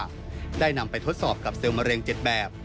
ได้นำไปทดสอบกับเซลล์มะเร็ง๗แบบ